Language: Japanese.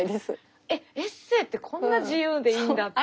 エッセーってこんな自由でいいんだって。